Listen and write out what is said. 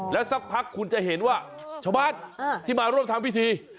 แล้วสักพักคุณจะเห็นว่าชาวบ้านที่มาร่วมทำพิธี